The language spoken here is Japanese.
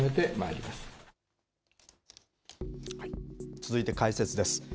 続いて解説です。